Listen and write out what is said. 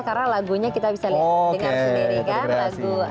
karena lagunya kita bisa dengar sendiri kan